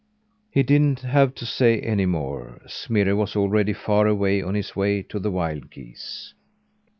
He didn't have to say any more. Smirre was already far away on his way to the wild geese.